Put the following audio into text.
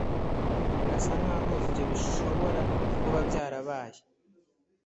Birasa nkaho ibyo bishobora kuba byarabaye